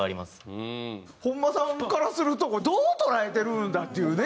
本間さんからするとこれどう捉えてるんだっていうね。